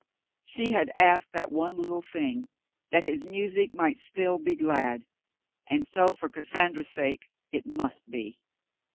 She had asked that one little thing, that his music might still be glad, and so for Cassandra's sake it must be.